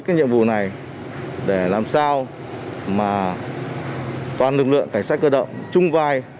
cái nhiệm vụ này để làm sao mà toàn lực lượng cảnh sát cơ động chung vai